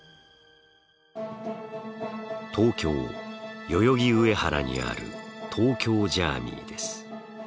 東京・代々木上原にある東京ジャーミイです。